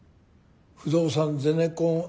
不動産ゼネコンＩＴ。